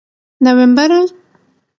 نومبره!